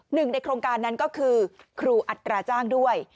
หนึ่งในโครงการนั้นก็คือครูอัตราจ้างด้วย